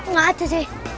nggak ada sih